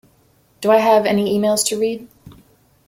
Do I have any emails to read?